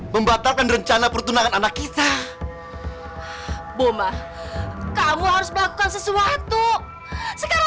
sampai jumpa di video selanjutnya